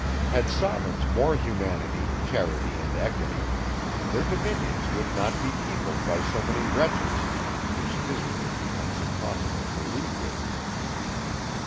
Had sovereigns more humanity, charity, and equity, their dominions would not be peopled by so many wretches, whose misery it becomes impossible to alleviate.